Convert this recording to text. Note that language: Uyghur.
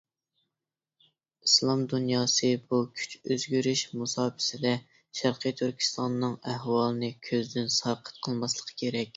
ئىسلام دۇنياسى بۇ كۈچ ئۆزگىرىش مۇساپىسىدە شەرقىي تۈركىستاننىڭ ئەھۋالىنى كۆزدىن ساقىت قىلماسلىقى كېرەك.